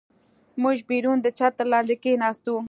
موږ بیرون د چتر لاندې کېناستو.